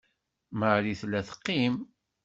Marie tella teqqim.